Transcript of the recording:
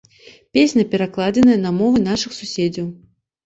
Песня перакладзеная на мовы нашых суседзяў.